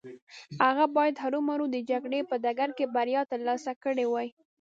هغه بايد هرو مرو د جګړې په ډګر کې بريا ترلاسه کړې وای.